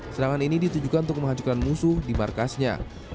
serangan ini ditujukan untuk mengajukan musuh di markasnya